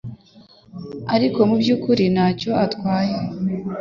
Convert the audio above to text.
ariko mubyukuri ntacyo atwaye